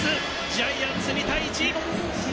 ジャイアンツ、２対１。